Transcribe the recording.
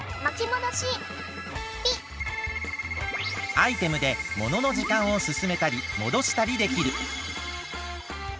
アイテムでもののじかんをすすめたりもどしたりできる。